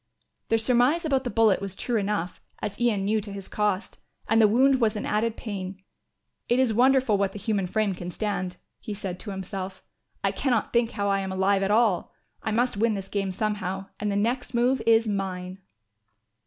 The surmise about the bullet was true enough, as Ian knew to his cost, and the wound was an added pain. "It is wonderful what the human frame can stand," he said to himself. "I cannot think how I am alive at all. I must win this game somehow and the next move is mine."